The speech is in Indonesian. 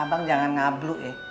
abang jangan ngablu ya